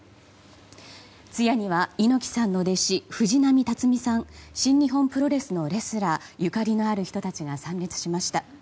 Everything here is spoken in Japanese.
通夜には猪木さんの弟子藤波辰爾さん新日本プロレスのレスラーゆかりのある人たちが参列しました。